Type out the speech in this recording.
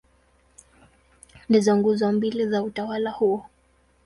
Ndizo nguzo mbili za utawa huo.